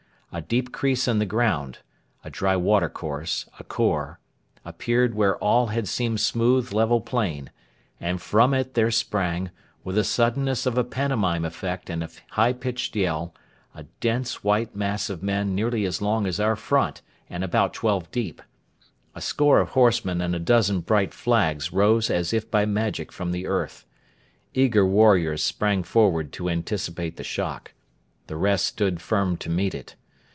A deep crease in the ground a dry watercourse, a khor appeared where all had seemed smooth, level plain; and from it there sprang, with the suddenness of a pantomime effect and a high pitched yell, a dense white mass of men nearly as long as our front and about twelve deep. A score of horsemen and a dozen bright flags rose as if by magic from the earth. Eager warriors sprang forward to anticipate the shock. The rest stood firm to meet it.